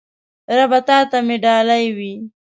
ربه تاته مې ډالۍ وی